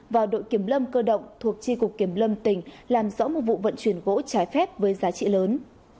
và đội kiểm lâm cơ động thuộc tri cục kiểm lâm tỉnh làm rõ một vụ vận chuyển gỗ trái phép với giá trị lớn